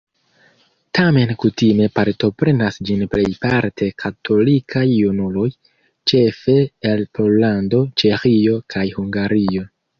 Tamen kutime partoprenas ĝin plejparte katolikaj junuloj, ĉefe el Pollando, Ĉeĥio kaj Hungario.